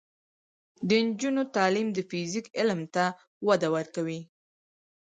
د نجونو تعلیم د فزیک علم ته وده ورکوي.